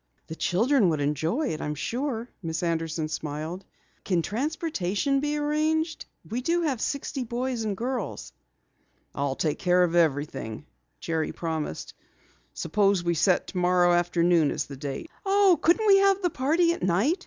"The children would enjoy it, I'm sure," Miss Anderson smiled. "Can transportation be arranged? We have sixty boys and girls." "I'll take care of everything," Jerry promised. "Suppose we set tomorrow afternoon as the date." "Oh, can't we have the party at night?"